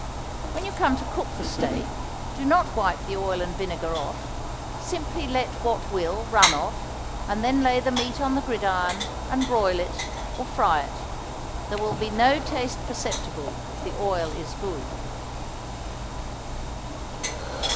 When you come to cook the steak do not wipe the oil and vinegar off; simply let what will run off, and then lay the meat on the gridiron and broil it, or fry it; there will be no taste perceptible if the oil is good.